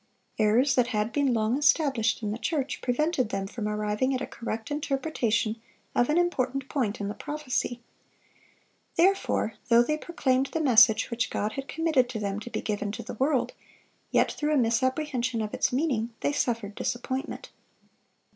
Errors that had been long established in the church prevented them from arriving at a correct interpretation of an important point in the prophecy. Therefore, though they proclaimed the message which God had committed to them to be given to the world, yet through a misapprehension of its meaning, they suffered disappointment.